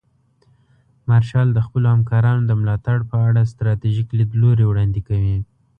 مارشال د خپلو همکارانو د ملاتړ په اړه ستراتیژیک لیدلوري وړاندې کوي.